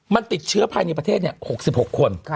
มันติดเชื้อภายในประเทศ๖๖คน